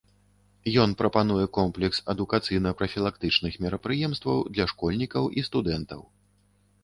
Ён прапануе комплекс адукацыйна-прафілактычных мерапрыемстваў для школьнікаў і студэнтаў.